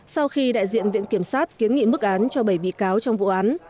sau khi đại diện viện kiểm sát kiến nghị mức án cho bảy bị cáo trong vụ án